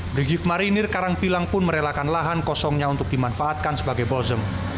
brigif marinir karangpilang pun merelakan lahan kosongnya untuk dimanfaatkan sebagai bozem